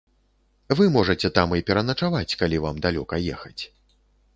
Вы можаце там і пераначаваць, калі вам далёка ехаць.